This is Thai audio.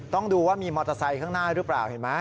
ต้องดูว่ามีมอเตอร์ไซค์ข้างหน้าหรือเปล่าเห็นไหม